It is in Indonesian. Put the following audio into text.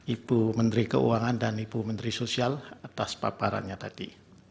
ibu menteri keuangan dan ibu menteri sosial atas paparannya tadi